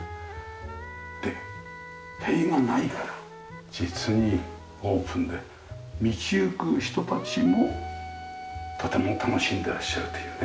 で塀がないから実にオープンで道行く人たちもとても楽しんでらっしゃるというね。